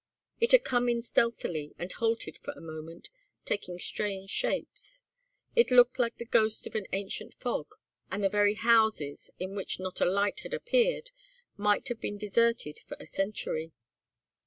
It had come in stealthily and halted for a moment, taking strange shapes. It looked like the ghost of an ancient fog, and the very houses, in which not a light had appeared, might have been deserted for a century.